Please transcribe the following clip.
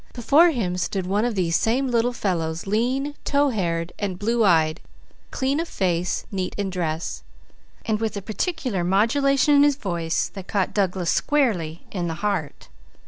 Before him stood one of these same little fellows, lean, tow haired, and blue eyed, clean of face, neat in dress; with a peculiar modulation in his voice that caught Douglas squarely in the heart.